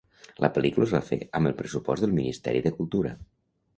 La pel·lícula es va fer amb el pressupost del Ministeri de Cultura.